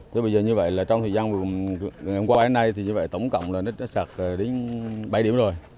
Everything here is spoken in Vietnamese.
thế bây giờ như vậy là trong thời gian vừa hôm qua đến nay thì như vậy tổng cộng là nó sạt đến bảy điểm rồi